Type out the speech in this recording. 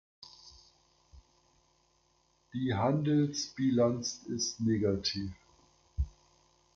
Die Handelsbilanz ist negativ.